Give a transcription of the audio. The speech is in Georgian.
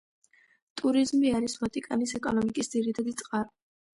ტურიზმი არის ვატიკანის ეკონომიკის ძირითადი წყარო.